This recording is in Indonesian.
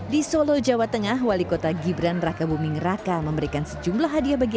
di solo jawa tengah wali kota gibran raka buming raka memberikan sejumlah hadiah bagi